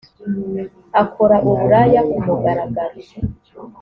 akora uburaya ku mugaragaro